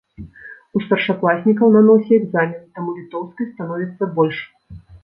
У старшакласнікаў на носе экзамен, таму літоўскай становіцца больш.